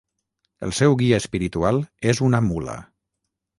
El seu guia espiritual és una mula.